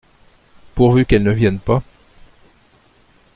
Pourvu qu’elle ne vienne pas !